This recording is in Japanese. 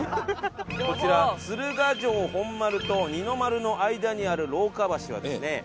こちら鶴ヶ城本丸と二の丸の間にある廊下橋はですね